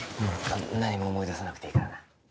何も思い出さなくていいからな